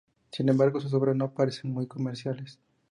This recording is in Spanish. Sin embargo sus obras no parecen muy comerciales.